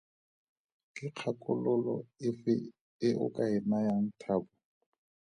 Ke kgakololo efe e o ka e nayang Thabo?